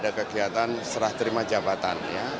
ada kegiatan serah terima jabatan